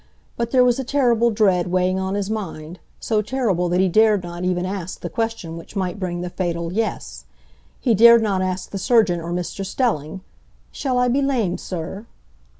But there was a terrible dread weighing on his mind, so terrible that he dared not even ask the question which might bring the fatal "yes"; he dared not ask the surgeon or Mr Stelling, "Shall I be lame, Sir?"